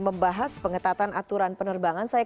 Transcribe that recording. kita harapkan pada hari senin nanti